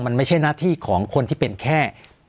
มันไม่ใช่หน้าที่ของคนที่เป็นแค่